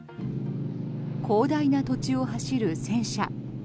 広大な土地を走る戦車。